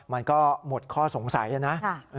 มันก็หมดข้อสงสัยนะ